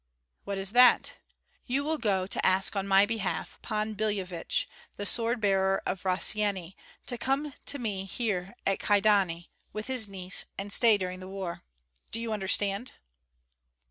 "What is that?" "You will go to ask on my behalf Pan Billevich, the sword bearer of Rossyeni, to come to me here at Kyedani, with his niece, and stay during the war. Do you understand?"